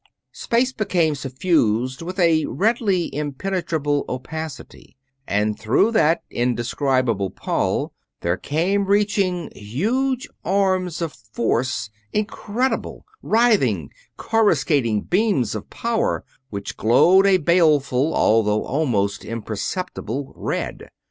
Space became suffused with a redly impenetrable opacity, and through that indescribable pall there came reaching huge arms of force incredible; writhing, coruscating beams of power which glowed a baleful, although almost imperceptible, red.